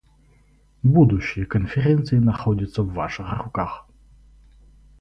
Будущее Конференции находится в ваших руках.